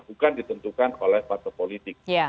bukan ditentukan oleh partai politik